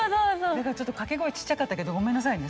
だからちょっと掛け声ちっちゃかったけどごめんなさいね。